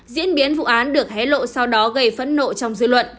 diễn biến vụ án được hé lộ sau đó gây phẫn nộ trong dư luận